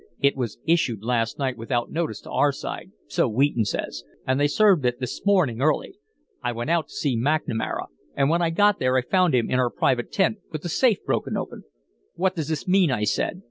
It was issued last night without notice to our side, so Wheaton says, and they served it this morning early. I went out to see McNamara, and when I got there I found him in our private tent with the safe broken open." "'What does this mean?' I said.